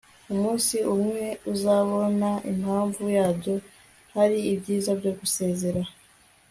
umunsi umwe uzabona impamvu yabyo, hari ibyiza byo gusezera